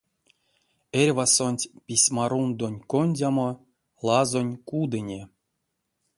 Эрьвасонть письмарундонь кондямо лазонь кудыне.